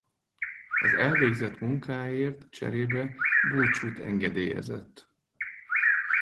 Az elvégzett munkáért cserébe búcsút engedélyezett.